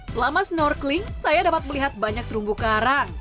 selama snorkeling saya dapat melihat banyak terumbu karang